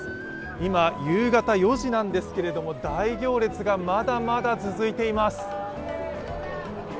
今、夕方４時なんですけれども大行列がまだまだ続いています。